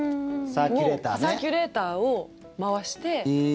サーキュレーターを回して。